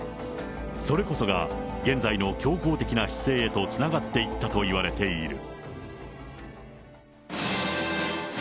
それこそが現在の強硬的な姿勢へとつながっていったといわれている。